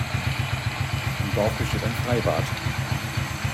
Im Dorf besteht ein Freibad.